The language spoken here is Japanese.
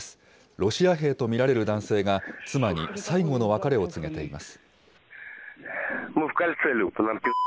ロシア兵と見られる男性が、妻に最後の別れを告げています。